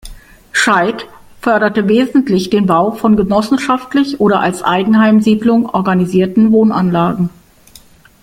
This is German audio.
Scheidt förderte wesentlich den Bau von genossenschaftlich oder als Eigenheimsiedlung organisierten Wohnanlagen.